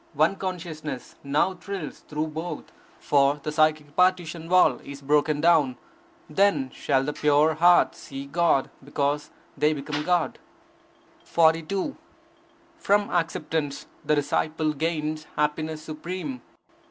One consciousness now thrills through both, for the psychic partition wall is broken down. Then shall the pure in heart see God, because they become God. 42. From acceptance, the disciple gains happiness supreme.